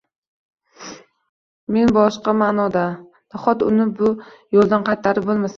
Men boshqa maʼnoda… Nahot uni bu yoʻldan qaytarib boʻlmasa?!